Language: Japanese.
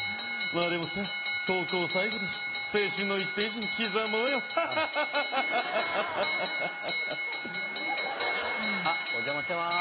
あでもさ高校最後だし青春の１ページに刻もうよハハハハあっお邪魔してます